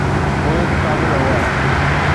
اهي به قابل هئا.